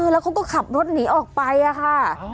แล้วเขาก็ขับรถหนีออกไปค่ะ